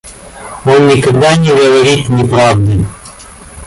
Он никогда не говорит неправды.